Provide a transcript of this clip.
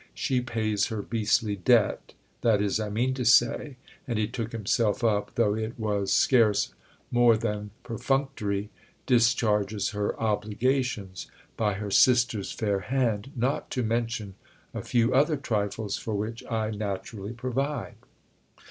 She pays her beastly debt—that is, I mean to say," and he took himself up, though it was scarce more than perfunctory, "discharges her obligations—by her sister's fair hand; not to mention a few other trifles for which I naturally provide."